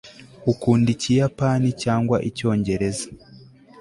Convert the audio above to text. ukunda ikiyapani cyangwa icyongereza